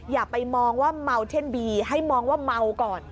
อย่าไปมองว่าเมาเท่นบีให้มองว่าเมาก่อน